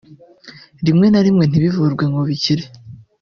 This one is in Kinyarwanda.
…) rimwe na rimwe ntibinavurwe ngo bikire